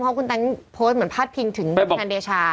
เพราะคุณแต๊งโพสต์เหมือนพาดพิงถึงทนายเดชา